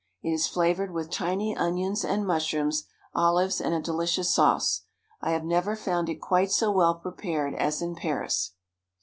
It is flavored with tiny onions and mushrooms, olives and a delicious sauce. I have never found it quite so well prepared as in Paris.